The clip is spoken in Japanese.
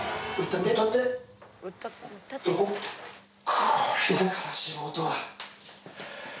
これだから素人は。